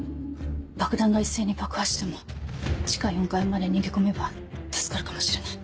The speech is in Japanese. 爆弾が一斉に爆破しても地下４階まで逃げ込めば助かるかもしれない。